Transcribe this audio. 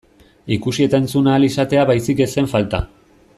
Ikusi eta entzun ahal izatea baizik ez zen falta.